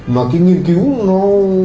mà cái nghiên cứu nó